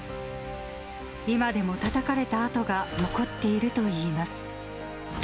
今でもたたかれた痕が残っているといいます。